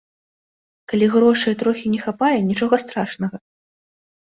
Калі грошай трохі не хапае, нічога страшнага!